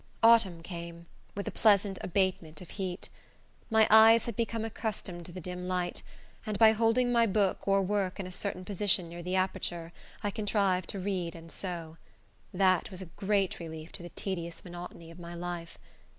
Autumn came, with a pleasant abatement of heat. My eyes had become accustomed to the dim light, and by holding my book or work in a certain position near the aperture I contrived to read and sew. That was a great relief to the tedious monotony of my life.